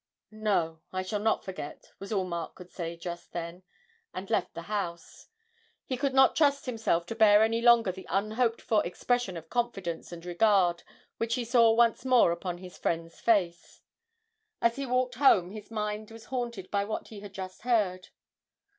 'No, I shall not forget,' was all Mark could say just then, and left the house. He could not trust himself to bear any longer the unhoped for expression of confidence and regard which he saw once more upon his friend's face. As he walked home his mind was haunted by what he had just heard.